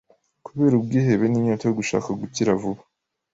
kubera ubwihebe n’inyota yo gushaka gukira vuba